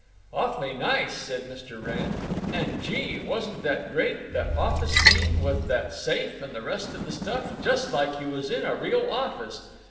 "Awfully nice," said Mr. Wrenn. "And, gee! wasn't that great, that office scene—with that safe and the rest of the stuff—just like you was in a real office.